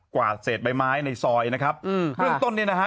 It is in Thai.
วาดเศษใบไม้ในซอยนะครับอืมเบื้องต้นเนี่ยนะฮะ